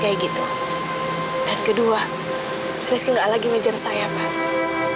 ayo terus lanjut ke ayah